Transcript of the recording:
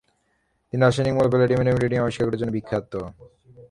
তিনি রাসায়নিক মৌল প্যালাডিয়াম এবং রোডিয়াম আবিষ্কার করার জন্য বিখ্যাত।